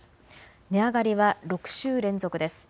値上がりは６週連続です。